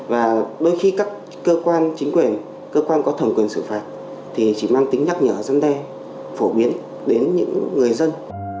và đôi khi các cơ quan chính quyền cơ quan có thẩm quyền xử phạt thì chỉ mang tính nhắc nhở dân đe phổ biến đến những người dân